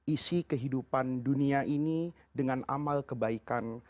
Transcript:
isi kehidupan dunia ini dengan amal kebaikan